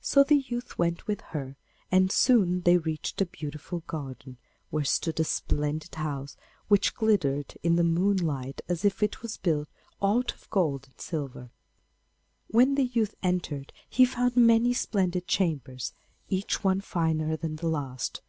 So the youth went with her, and soon they reached a beautiful garden, where stood a splendid house, which glittered in the moonlight as if it was all built out of gold and silver. When the youth entered he found many splendid chambers, each one finer than the last.